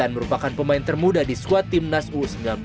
dan merupakan pemain termuda di squad tim nas u sembilan belas